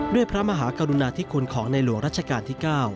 ด้วยพระมหากรุณาที่คุณของในหลวงราชการที่๙